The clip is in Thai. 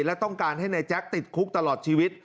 และต้องการให้นายแจ๊คติดคุกตลอดชีวิต